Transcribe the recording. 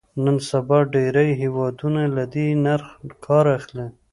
نن سبا ډېری هېوادونه له دې نرخ کار اخلي.